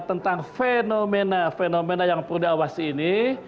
tentang fenomena fenomena yang perlu diawasi ini